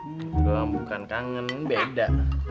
itu doang bukan kangen beda